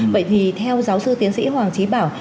vậy thì theo giáo sư tiến sĩ hoàng trí bảo